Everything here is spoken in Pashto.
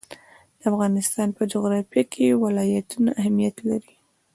د افغانستان په جغرافیه کې ولایتونه اهمیت لري.